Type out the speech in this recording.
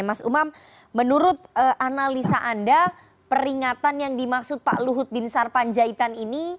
mas umam menurut analisa anda peringatan yang dimaksud pak luhut bin sarpanjaitan ini